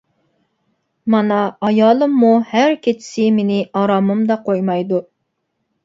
مانا ئايالىممۇ ھەر كېچىسى مېنى ئارامىمدا قويمايدۇ.